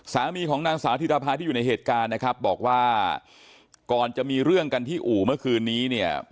สามีของนางสาวธิรภาที่อยู่ในเหตุการณ์นะครับบอกว่าก่อนจะมีเรื่องกันที่อู่เมื่อคืนนี้เนี่ย